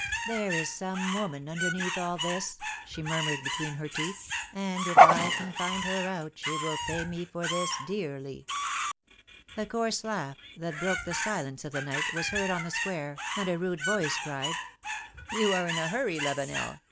There is some woman underneath all this/' she mur mured between her teeth, and if I can find her out, she shall pay me for this dearly." A coarse laugh, that broke the silence of the night, was heard on the square, and a rude voice cried :'' You are in a hurry, Lavenel !